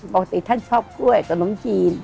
ปกติท่านชอบกล้วยขนมจีน